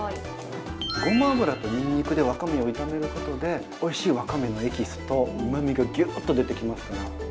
ごま油とわかめを炒めることでおいしいわかめのエキスとうまみがギュッと出てきますから。